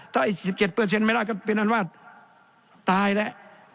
ถ้าอีก๑๗ไม่ได้ก็เป็นอันว่าตายแล้ว